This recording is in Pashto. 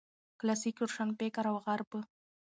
کلاسیک روشنفکر او غرب